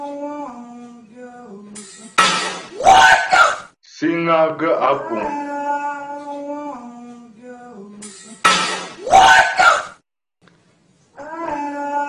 Síŋ á gaə̂ ǎ pùŋ.